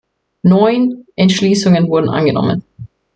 Neun Entschließungen wurden angenommen.